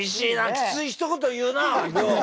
きついひと言言うなりょう。